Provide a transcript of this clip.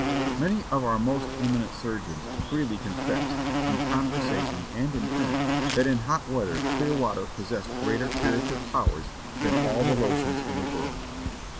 Many of our most eminent surgeons freely confessed, in con versation and in print, that in hot weather clear water possessed greater curative powers than all the lotions in the world.